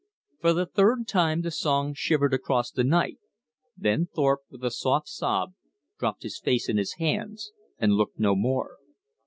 For the third time the song shivered across the night, then Thorpe with a soft sob, dropped his face in his hands and looked no more.